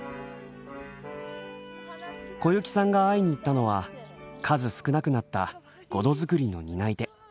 小雪さんが会いに行ったのは数少なくなったごど作りの担い手